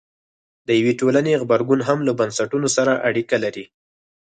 د یوې ټولنې غبرګون هم له بنسټونو سره اړیکه لري.